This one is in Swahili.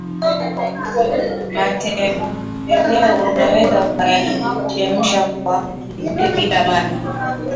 matembele unaweza ukayachemsha kwa mvuke bila maji